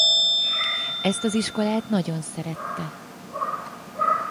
Ezt az iskolát nagyon szerette.